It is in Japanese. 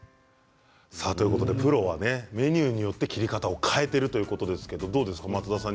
プロはメニューによって切り方を変えているということでしたがどうでしたか？